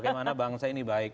bagaimana bangsa ini baik